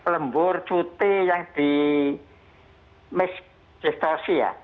lembur cuti yang di miss distorsi ya